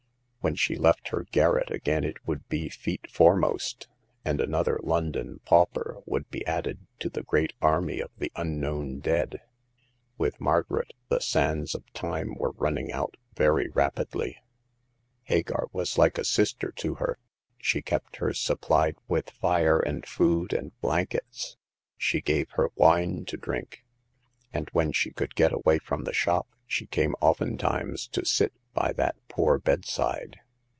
When she left her garret again it would be feet foremost ; and another London pauper would be added to the great army of the un known dead. With Margaret the sands of time were running out very rapidly. Hagar was like a sister to her. She kept her supplied with fire and food and blankets ; she gave her wine to drink ; and, when she could get away from the shop, she came oftentimes to The Sixth Customer. i6i sit by that poor bedside.